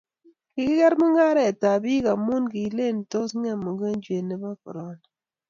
kikeker mungaret ab bik amun kilen tos ngem ukonjwet ab korona